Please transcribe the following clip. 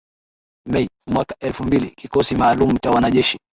May mwaka elfumbili kikosi maalumu cha wanajeshi